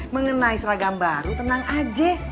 mengenai seragam baru tenang aja